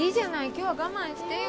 今日は我慢してよ